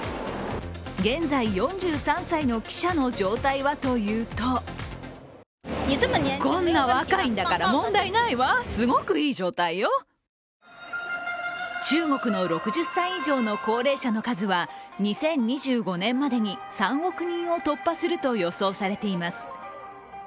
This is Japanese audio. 現在４３歳の記者の状態はというと中国の６０歳以上の高齢者の数は２０２５年までに３億人を突破すると予想されています。